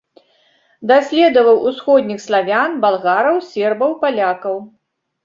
Даследаваў усходніх славян, балгараў, сербаў, палякаў.